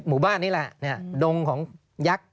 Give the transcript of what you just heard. มุ่งบ้านนี้ละดงของอยักษ์